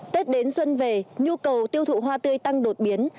tết đến xuân về nhu cầu tiêu thụ hoa tươi tăng đột biến